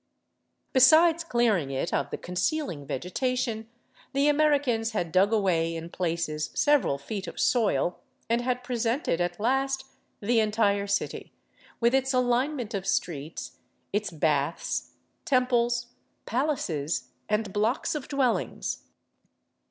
Besides clearing it of the concealing vegetation, the Ameri cans had dug away in places several feet of soil and had presented at last the entire city, with its alignment of streets, its " baths," temples, palaces, and blocks of dwellings.